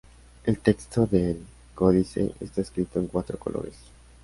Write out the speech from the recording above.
El texto del códice está escrito en cuatro colores.